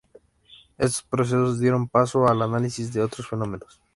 Estos procesos dieron paso al análisis de otros fenómenos.